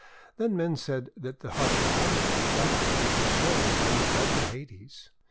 Then men said that the Harper's wife died and her soul was led to Hades.